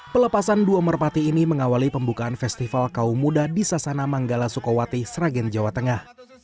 pelepasan dua merpati ini mengawali pembukaan festival kaum muda di sasana manggala sukowati sragen jawa tengah